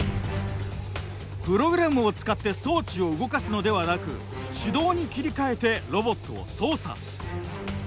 プログラムを使って装置を動かすのではなく手動に切り替えてロボットを操作。